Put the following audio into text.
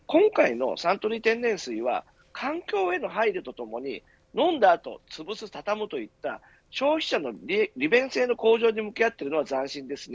今回のサントリー天然水は環境への配慮とともに飲んだ後、つぶす、畳むといった消費者の利便性の向上に向き合っているのが斬新ですね。